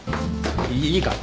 いいか。